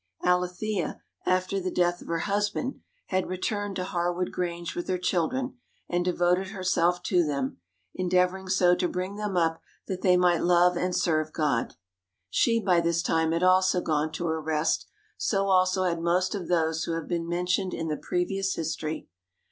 Alethea, after the death of her husband, had returned to Harwood Grange with her children, and devoted herself to them, endeavouring so to bring them up that they might love and serve God. She by this time had also gone to her rest; so also had most of those who have been mentioned in the previous history.